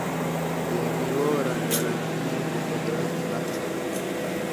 د میوو رنګارنګي د قدرت نښه ده.